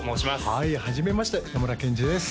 はいはじめまして野村ケンジです